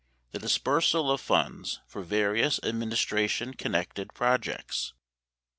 The disbursal of funds for various administration connected projects ; 3.